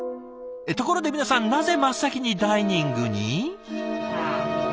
ところで皆さんなぜ真っ先にダイニングに？